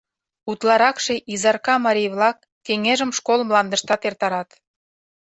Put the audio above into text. Утларакше Изарка марий-влак кеҥежым школ мландыштат эртарат.